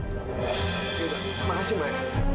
yaudah makasih mbak